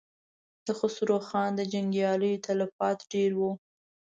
د خسرو خان د جنګياليو تلفات ډېر و.